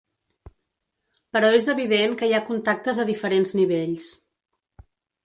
Però és evident que hi ha contactes a diferents nivells.